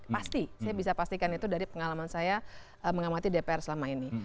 pasti saya bisa pastikan itu dari pengalaman saya mengamati dpr selama ini